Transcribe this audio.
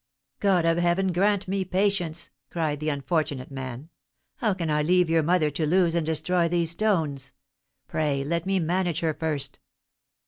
"God of heaven grant me patience!" cried the unfortunate man. "How can I leave your mother to lose and destroy these stones? Pray let me manage her first."